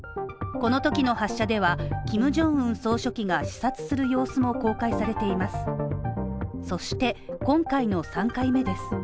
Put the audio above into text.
このときの発射では、キム・ジョンウン総書記が視察する様子も公開されています。